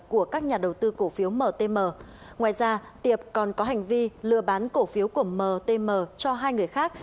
của các nhà đầu tư cổ phiếu mtm ngoài ra tiệp còn có hành vi lừa bán cổ phiếu của mtm cho hai người khác